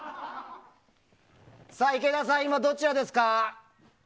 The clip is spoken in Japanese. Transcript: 池田さん、今どちらですか？